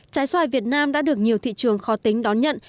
trái xoài việt nam đã được nhiều thị trường khó tính đón nhận